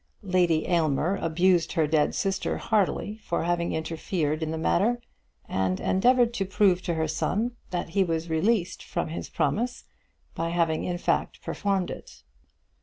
Lady Aylmer abused her dead sister heartily for having interfered in the matter, and endeavoured to prove to her son that he was released from his promise by having in fact performed it.